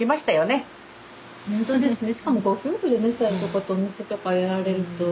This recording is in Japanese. ほんとですね。